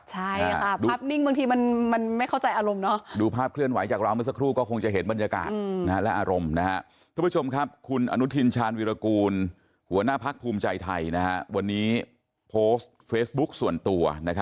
ใช่ค่ะภาพนิ่งบางทีมันไม่เข้าใจอารมณ์เนอะ